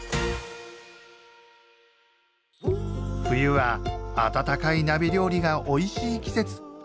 冬は温かい鍋料理がおいしい季節。